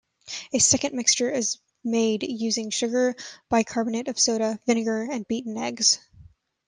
A second mixture is made using sugar, bicarbonate of soda, vinegar and beaten eggs.